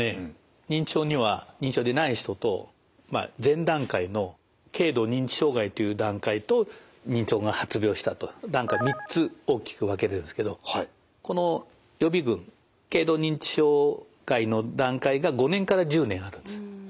認知症には認知症でない人と前段階の軽度認知障害という段階と認知症が発病したと段階３つ大きく分けれるんですけどこの予備群軽度認知障害の段階が５年から１０年あるんです。